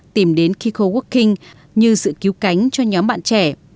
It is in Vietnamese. tìm đến kiko working như sự cứu cánh cho nhóm bạn trẻ